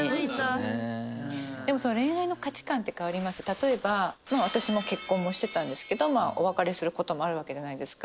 例えば私も結婚もしてたんですけどお別れすることもあるわけじゃないですか。